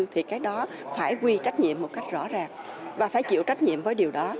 thì cái đó phải quy trách nhiệm một cách rõ rạp và phải chịu trách nhiệm với điều đó